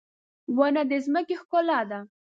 • ونه د ځمکې ښکلا ده.